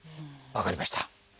分かりました。